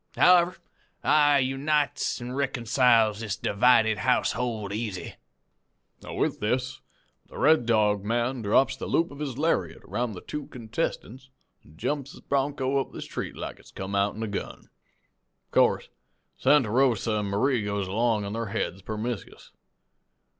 However, I unites an' reeconciles this divided household easy.' "With this the Red Dog man drops the loop of his lariat round the two contestants an' jumps his bronco up the street like it's come outen a gun. Of course Santa Rosa an' Marie goes along on their heads permiscus.